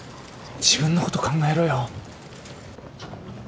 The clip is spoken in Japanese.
自分のこと考えろよ。